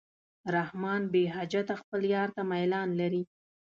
رحمان بېحجته خپل یار ته میلان لري.